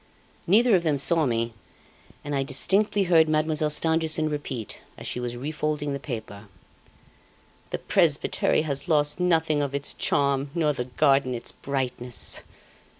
"Neither of them saw me, and I distinctly heard Mademoiselle Stangerson repeat, as she was refolding the paper: 'The presbytery has lost nothing of its charm, nor the garden its brightness!